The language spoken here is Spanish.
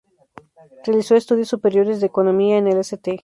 Realizó estudios superiores de economía en el St.